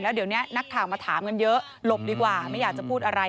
เดี๋ยวนี้นักข่าวมาถามกันเยอะหลบดีกว่าไม่อยากจะพูดอะไร